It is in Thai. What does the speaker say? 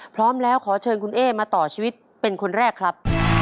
พร้อมแล้วขอเชิญคุณเอ๊มาต่อชีวิตเป็นคนแรกครับ